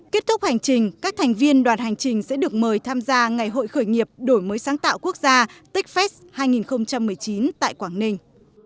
kết thúc hành trình các thành viên đoàn hành trình sẽ được mời tham gia ngày hội khởi nghiệp đổi mới sáng tạo quốc gia techfest hai nghìn một mươi chín tại quảng ninh